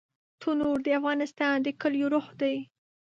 تنور د افغانستان د کليو روح دی